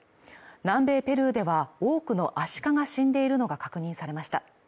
南米ペルーでは、多くのアシカが死んでいるのが確認されました。